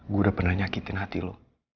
gue udah pernah nyakitin hati lo